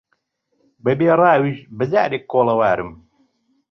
بە بێ ڕاویش بەجارێک کۆڵەوارم